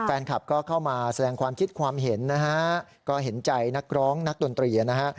แฟนคลับก็เข้ามาแสดงความคิดความเห็นนะฮะก็เห็นใจนักร้องนักดนตรีนะฮะ